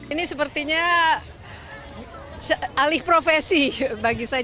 ini sepertinya alih profesi bagi saya